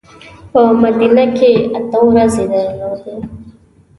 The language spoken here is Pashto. په مدینه کې اته ورځې درلودې.